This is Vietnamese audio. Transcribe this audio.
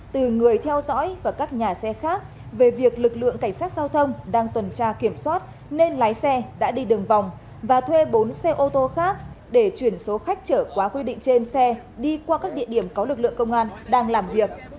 từ người theo dõi và các nhà xe khác về việc lực lượng cảnh sát giao thông đang tuần tra kiểm soát nên lái xe đã đi đường vòng và thuê bốn xe ô tô khác để chuyển số khách trở quá quy định trên xe đi qua các địa điểm có lực lượng công an đang làm việc